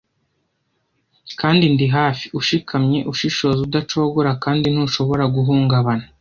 Kandi ndi hafi, ushikamye, ushishoza, udacogora, kandi ntushobora guhungabana.